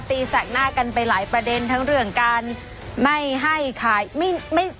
แสกหน้ากันไปหลายประเด็นทั้งเรื่องการไม่ให้ขายไม่ไม่